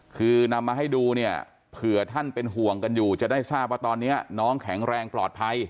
คือนำมาให้ดูเนี่ยเผื่อท่านเป็นห่วงกันอยู่จะได้ทราบว่าตอนนี้น้องแข็งแรงปลอดภัย